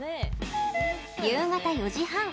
夕方４時半。